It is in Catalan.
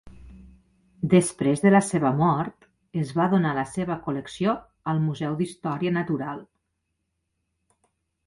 Després de la seva mort, es va donar la seva col·lecció al museu d'història natural.